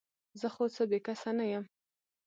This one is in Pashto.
زه خو څه بې کسه نه یم ؟